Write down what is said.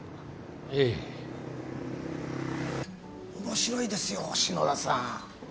面白いですよ篠田さん。